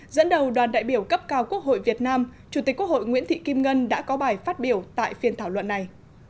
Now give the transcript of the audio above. dẫn đầu đoàn đại biểu cấp cao quốc hội việt nam chủ tịch quốc hội nguyễn thị kim ngân đã có bài phát biểu tại phiên thảo luận này